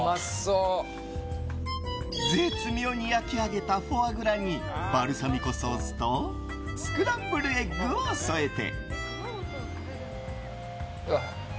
絶妙に焼き上げたフォアグラにバルサミコ酢ソースとスクランブルエッグを添えて。